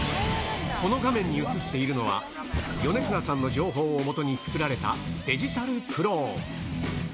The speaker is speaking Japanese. この画面に映っているのは、米倉さんの情報をもとに作られたデジタルクローン。